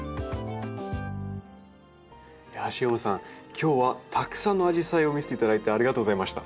今日はたくさんのアジサイを見せていただいてありがとうございました。